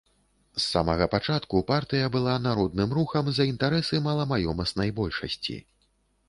З самага пачатку партыя была народным рухам за інтарэсы маламаёмаснай большасці.